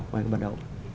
ngoài các bạn ạ